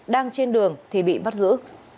đang trên đường thì bị bắt giữ